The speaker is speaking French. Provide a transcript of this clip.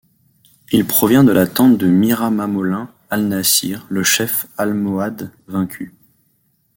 Il provient de la tente de Miramamolin al-Nasir, le chef almohade vaincu.